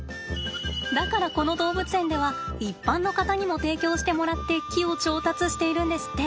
だからこの動物園では一般の方にも提供してもらって木を調達しているんですって。